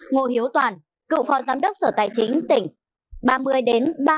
ngô hiếu toàn cựu phó giám đốc sở tài chính tỉnh ba mươi đến ba mươi sáu